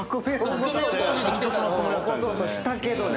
起こそうとしたけどね。